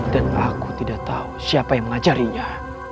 dan aku tidak tahu siapa yang mengajarinya